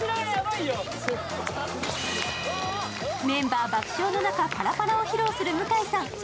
メンバー爆笑の中、パラパラを披露する向井さん。